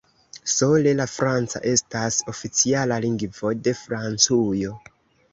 Sole la franca estas oficiala lingvo de Francujo.